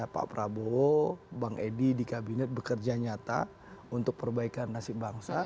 pak prabowo bang edi di kabinet bekerja nyata untuk perbaikan nasib bangsa